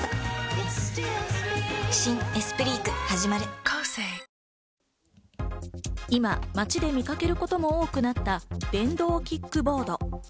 一方で利用が拡大する中で今、街で見かけることも多くなった電動キックボード。